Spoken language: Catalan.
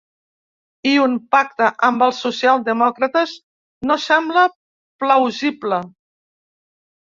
I un pacte amb els socialdemòcrates no sembla plausible.